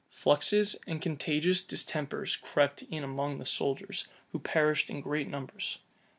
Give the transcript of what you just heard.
Fluxes and contagious distempers crept in among the soldiers, who perished in great numbers.